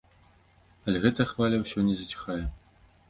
Але гэтая хваля ўсё не заціхае.